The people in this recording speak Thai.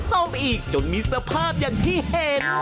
ซ่อมอีกจนมีสภาพอย่างที่เห็น